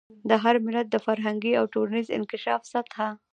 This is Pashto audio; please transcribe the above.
د هر ملت د فرهنګي او ټولنیز انکشاف سطح.